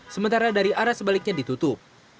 sementara dari arah sebaliknya ditutup